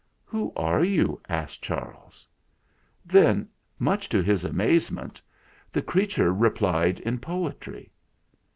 "Who are you?" asked Charles. Then, much to his amazement, the creature 162 THE FLINT HEART replied in poetry.